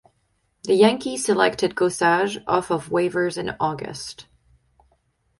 The Yankees selected Gossage off of waivers in August.